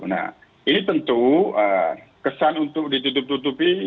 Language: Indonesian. nah ini tentu kesan untuk ditutup tutupi